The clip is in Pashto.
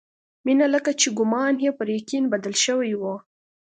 مينه لکه چې ګومان يې پر يقين بدل شوی و.